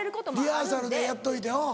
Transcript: リハーサルでやっといてうん。